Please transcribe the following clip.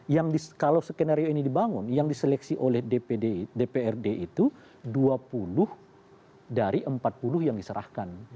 jadi kalau skenario ini dibangun yang diseleksi oleh dprd itu dua puluh dari empat puluh yang diserahkan